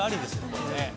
これね」